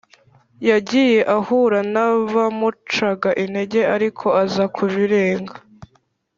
yagiye ahura n’abamucaga intege ariko aza kubirenga,